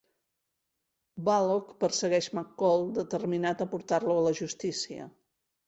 Bullock persegueix McCall, determinat a portar-lo a la justícia.